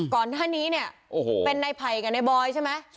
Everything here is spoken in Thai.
ก่อนท่านี้เนี่ยเป็นในภัยกับในบอยใช่ไหม